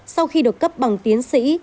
sau khi được cấp bằng tiến sĩ